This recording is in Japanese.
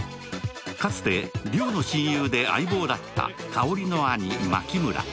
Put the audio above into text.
かつての親友で相棒だった香の兄槇村